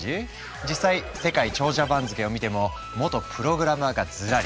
実際世界長者番付を見ても元プログラマーがずらり。